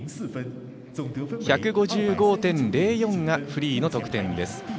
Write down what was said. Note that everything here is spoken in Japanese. １５５．０４がフリーの得点です。